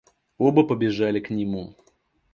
Оба побежали к нему.